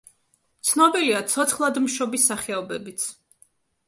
ცნობილია ცოცხლადმშობი სახეობებიც.